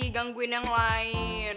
gangguin yang lain